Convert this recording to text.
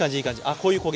こういう焦げ